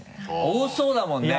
多そうだもんな。